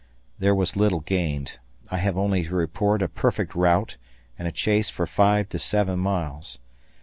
There was little gained. I have only to report a perfect rout and a chase for five to seven miles.